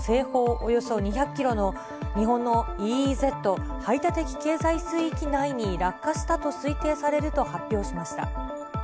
およそ２００キロの日本のＥＥＺ・排他的経済水域内に落下したと推定されると発表しました。